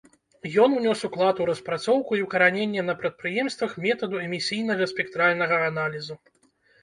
Ён унёс уклад у распрацоўку і ўкараненне на прадпрыемствах метаду эмісійнага спектральнага аналізу.